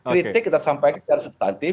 kritik kita sampaikan secara substantif